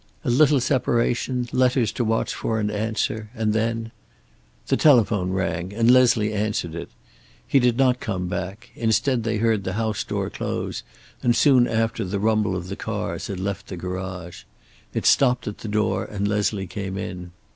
A little separation, letters to watch for and answer, and then The telephone rang, and Leslie answered it. He did not come back; instead they heard the house door close, and soon after the rumble of the car as it left the garage. It stopped at the door, and Leslie came in.